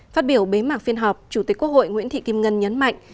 phát biểu bế mạc phiên họp chủ tịch quốc hội nguyễn thị kim ngân nhấn mạnh